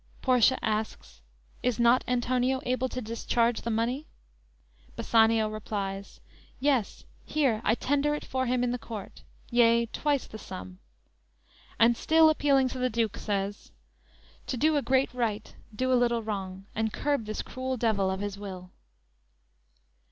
"_ Portia asks: "Is not Antonio able to discharge the money?" Bassanio replies: "Yes; here I tender it for him in the court; Yea, twice the sum," and still appealing to the Duke, says: _"To do a great right, do a little wrong, And curb this cruel devil of his will!"